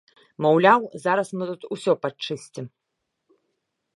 Маўляў, зараз мы тут усё падчысцім.